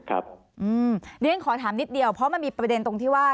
เพราะฉะนั้นขอถามนิดเดียวเพราะมันมีประเด็นตรงที่ว่า